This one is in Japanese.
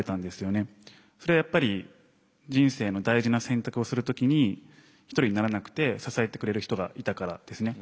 それはやっぱり人生の大事な選択をする時に一人にならなくて支えてくれる人がいたからですね。